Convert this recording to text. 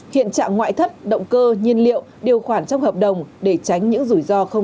hiện trạng ngoại thất động cơ nhiên liệu điều khoản trong hợp đồng để tránh những rủi ro không